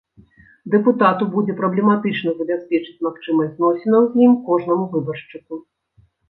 Дэпутату будзе праблематычна забяспечыць магчымасць зносінаў з ім кожнаму выбаршчыку.